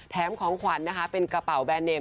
ของขวัญนะคะเป็นกระเป๋าแบรนเมม